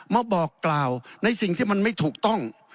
มาบอกกล่าวในสิ่งที่มันไม่ถูกต้อง